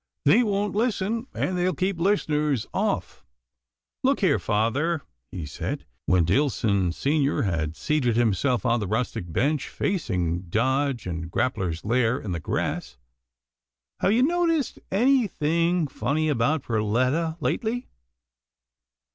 " They won't listen, and they'll keep listeners off — Look here, father," he said, when Dillson senior had seated himself on the rustic bench facing Dodge and Grappler's lair in the grass, " have you noticed anything funny about Perletta lately?